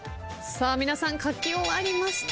皆さん書き終わりました。